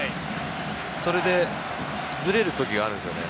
それでずれる時があるんですよね。